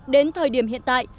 đến thời điểm hiện tại